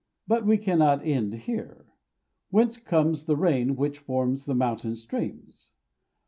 But we cannot end here. Whence comes the rain which forms the mountain streams?